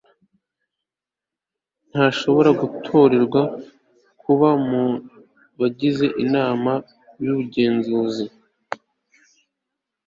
ntashobora gutorerwa kuba mu bagize inama y'ubugenzuzi